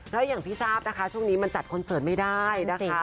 แล้วอย่างที่ทราบนะคะช่วงนี้มันจัดคอนเสิร์ตไม่ได้นะคะ